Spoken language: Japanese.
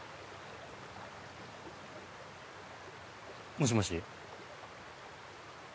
もしもし？